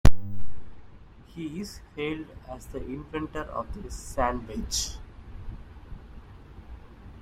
He is hailed as the inventor of the sand wedge.